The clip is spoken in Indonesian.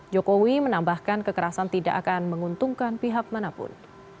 jokowi menambahkan kekerasan tidak akan menguntungkan pihak manapun